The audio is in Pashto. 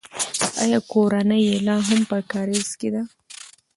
آیا کورنۍ یې لا هم په کارېز کې ده؟